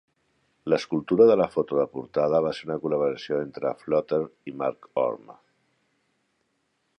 L'escultura de la foto de portada va ser una col·laboració entre Floater i Mark Orme.